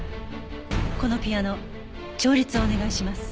このピアノ調律をお願いします。